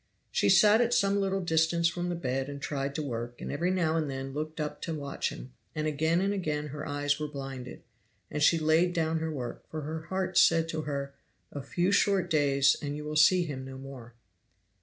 She sat at some little distance from the bed and tried to work, and every now and then looked up to watch him, and again and again her eyes were blinded; and she laid down her work, for her heart said to her, "A few short days and you will see him no more."